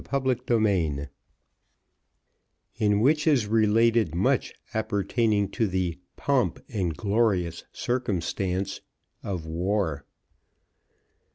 Chapter XLIX In which is related much appertaining to the "pomp and glorious circumstance" of war.